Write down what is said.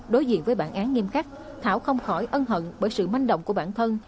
đối diện với bản án nghiêm khắc thảo không khỏi ân hận bởi sự manh động của bản thân